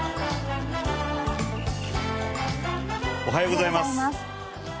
おはようございます。